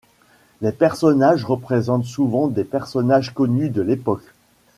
Les personnages représentent souvent des personnages connus de l'époque.